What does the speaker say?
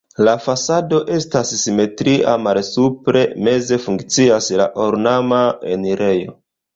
La fasado estas simetria, malsupre meze funkcias la ornama enirejo.